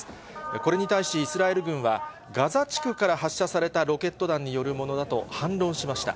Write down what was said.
これに対しイスラエル軍は、ガザ地区から発射されたロケット弾によるものだと反論しました。